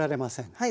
はい。